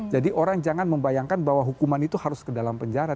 jadi orang jangan membayangkan bahwa hukuman itu harus ke dalam penjara